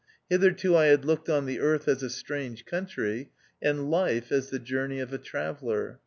Hitherto I had looked on the Earth as a strange country, and life as the journey of a traveller.